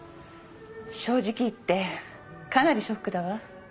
正直言ってかなりショックだわ。